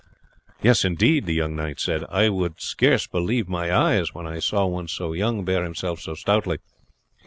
"Yes, indeed," the young knight said. "I could scarce believe my eyes when I saw one so young bear himself so stoutly.